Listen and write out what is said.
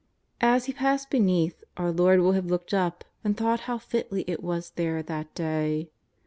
As He passed beneath, our Lord will have looked up and thought how fitly it was there that day.